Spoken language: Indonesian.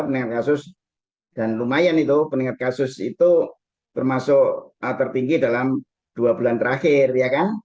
peningkatan kasus dan lumayan itu peningkatan kasus itu termasuk tertinggi dalam dua bulan terakhir ya kan